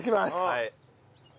はい。